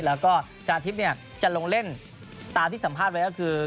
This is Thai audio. แล้วก็ชนะทิพย์เนี่ยจะลงเล่นตามที่สัมภาษณ์ไว้ก็คือ